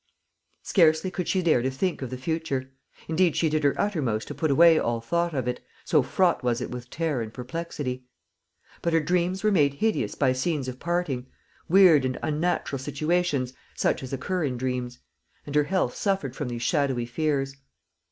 Scarcely could she dare to think of the future; indeed, she did her uttermost to put away all thought of it, so fraught was it with terror and perplexity; but her dreams were made hideous by scenes of parting weird and unnatural situations, such as occur in dreams; and her health suffered from these shadowy fears.